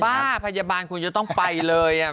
ว่าพยาบาลคุณจะต้องไปเลย